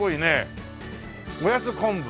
おやつ昆布。